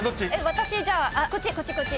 私こっちこっちこっち。